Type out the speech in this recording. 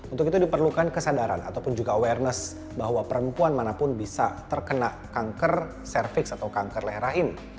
untuk itu diperlukan kesadaran ataupun juga awareness bahwa perempuan manapun bisa terkena kanker cervix atau kanker lehrain